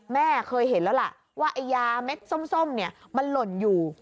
แม่เคยเห็นแล้วล่ะว่าไอ้ยาเม็ดส้มเนี่ยมันหล่นอยู่